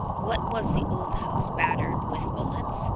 What was the old house battered with bullets?